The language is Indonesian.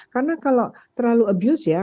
karena kalau terlalu abuse ya